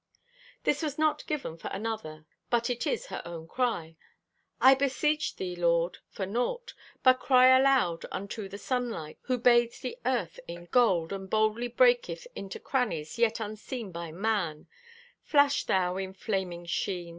This was not given for another, but is her own cry: I beseech Thee, Lord, for naught! But cry aloud unto the sunlight Who bathes the earth in gold And boldly breaketh into crannies Yet unseen by man: Flash thou in flaming sheen!